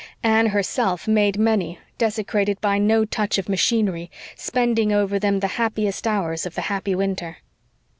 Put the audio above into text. Anne herself made many, desecrated by no touch of machinery, spending over them the happiest hours of the happy winter.